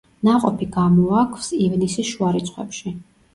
ნაყოფი გამოაქვს ივნისის შუა რიცხვებში.